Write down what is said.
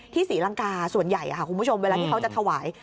ศรีลังกาส่วนใหญ่คุณผู้ชมเวลาที่เขาจะถวาย